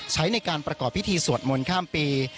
ใช้ในการประกอบพิธีสวดมนต์ข้ามปี